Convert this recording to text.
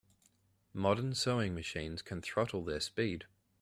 Modern sewing machines can throttle their speed.